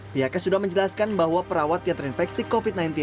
pihaknya sudah menjelaskan bahwa perawat yang terinfeksi covid sembilan belas